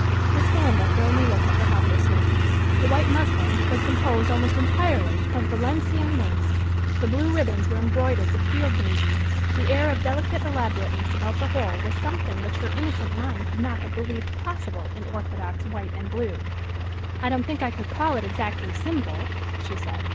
Miss Belinda could only look at her helplessly. The "white muslin" was composed almost entirely of Valenciennes lace; the blue ribbons were embroidered with field daisies; the air of delicate elaborateness about the whole was something which her innocent mind could not have believed possible in orthodox white and blue. "I don't think I should call it exactly simple," she said.